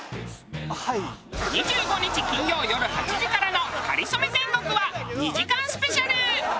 ２５日金曜よる８時からの『かりそめ天国』は２時間スペシャル！